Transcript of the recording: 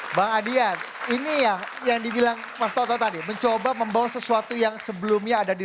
mbak adian ini ya yang dibilang mas toto tadi mencoba membawa sesuatu yang sebelumnya ada di